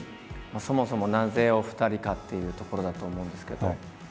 そもそもなぜお二人かっていうところだと思うんですけど。